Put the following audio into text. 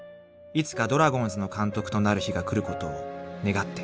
［いつかドラゴンズの監督となる日が来ることを願って］